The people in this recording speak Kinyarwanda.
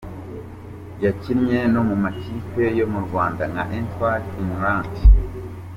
Yakinnye no mu makipe yo mu Rwanda nka Etoile Filante.